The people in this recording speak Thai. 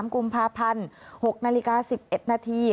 ๓กุมภาพันธ์๖นาฬิกา๑๑นาที